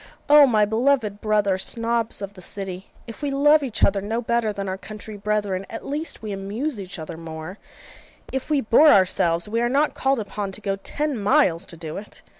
O my beloved brother Snobs of the City, if we love each other no better than our country brethren, at least we amuse each other more; if we bore ourselves, we are not called upon to go ten miles to do it!